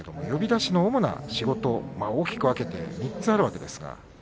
呼出しの主な仕事大きく分けて３つあるわけです。